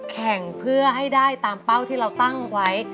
แข่งเพื่อให้ได้ตามเป้าที่เราตั้งไว้